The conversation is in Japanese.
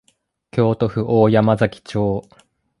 京都府大山崎町